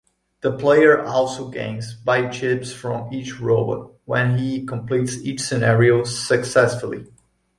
The player also gains bio-chips from each robot when he completes each scenario successfully.